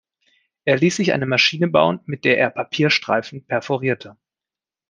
Er ließ sich eine Maschine bauen, mit der er Papierstreifen perforierte.